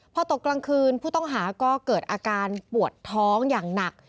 พอตกกลางคืนผู้ต้องหาก็เกิดอาการปวดท้องอย่างหนัก